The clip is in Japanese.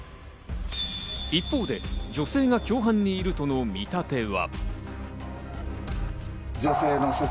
一方で女性が共犯にいるとの見立ては。